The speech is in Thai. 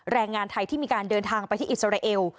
แรงงานไทยที่มีการเดินทางไปที่อิสราเอล